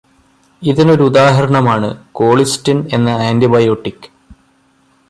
ഇതിനൊരു ഉദാഹരണമാണ് കോളിസ്റ്റിന് എന്ന ആന്റിബയോടിക്.